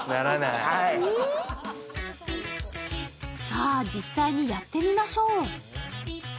さぁ実際にやってみましょう。